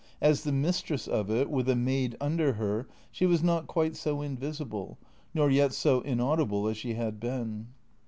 As the mistress of it, with a maid under her, she was not quite so invisible, nor yet so inaudible as she had been.